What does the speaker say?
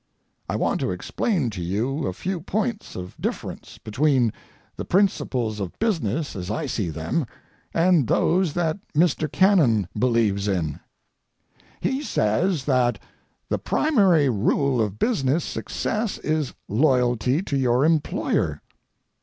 I want to explain to you a few points of difference between the principles of business as I see them and those that Mr. Cannon believes in. He says that the primary rule of business success is loyalty to your employer.